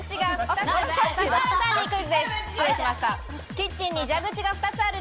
キッチンに蛇口が２つある。